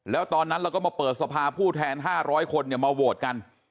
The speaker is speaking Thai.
แล้วตอนนั้นเราก็มาเปิดสภาผู้แทนห้าร้อยคนเนี่ยมาโหวตกัน